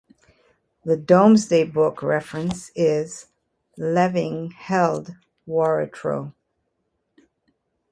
The "Domesday Book" reference is "Leving held "Wauretreu".